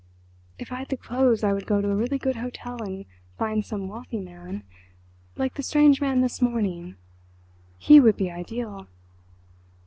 "If I'd the clothes I would go to a really good hotel and find some wealthy man... like the strange man this morning. He would be ideal.